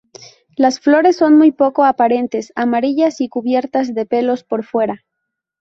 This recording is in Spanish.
Las flores son muy poco aparentes, amarillas y cubiertas de pelos por fuera.